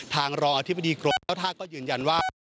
ทางรออธิบดีโกรธแล้วท่าก็ยืนยันว่า